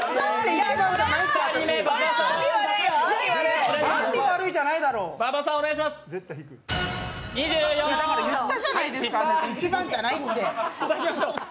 １番じゃないって。